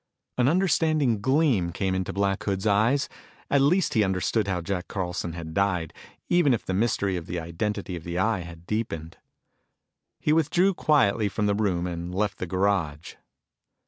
An understanding gleam came into Black Hood's eyes. At least he understood how Jack Carlson had died, even if the mystery of the identity of the Eye had deepened. He withdrew quietly from the room and left the garage.